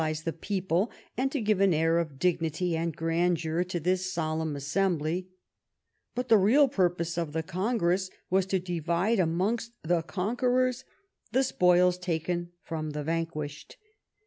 se the people, and to give an air of dignity and grandeur to this solemn assembly ; but the real purpose of the Congress was to divide amongst the conquerors the spoils tahcn from the vanquished.